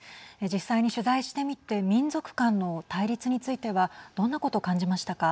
実際に取材してみて民族間の対立についてはどんなことを感じましたか。